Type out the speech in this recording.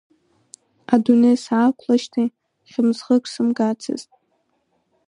Адунеи саақәлеижьҭеи хьымӡӷык сымгацызт…